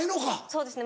そうですね